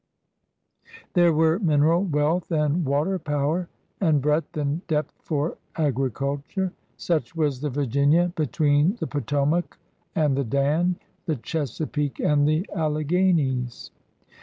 There were mineral wealth and water power, and breadth and depth for agriculture. Such was the Virginia between the Potomac and the Dan, the Chesapeake and the Alleghanies.